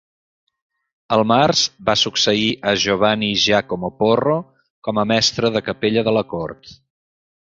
Al març, va succeir a Giovanni Giacomo Porro com a mestre de capella de la cort.